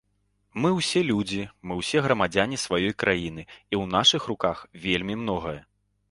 Мы ўсе людзі, мы ўсе грамадзяне сваёй краіны, і ў нашых руках вельмі многае.